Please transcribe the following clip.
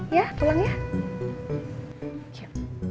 ya pulang ya